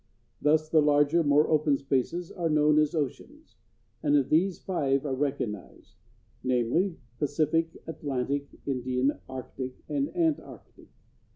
Thus the larger, more open spaces are known as oceans, and of these five are recognized, namely, Pacific, Atlantic, Indian, Arctic, and Antarctic.